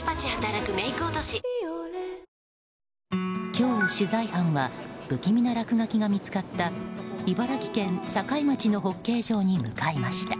今日、取材班は不気味な落書きが見つかった茨城県境町のホッケー場に向かいました。